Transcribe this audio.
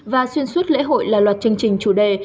và xuyên suốt lễ hội là loạt chương trình chủ đề